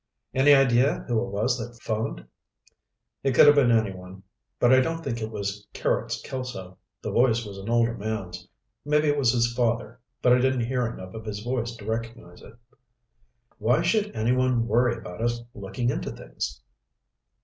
"Any idea who it was that phoned?" "It could have been anyone. But I don't think it was Carrots Kelso. The voice was an older man's. Maybe it was his father, but I didn't hear enough of his voice to recognize it." "Why should anyone worry about us looking into things?"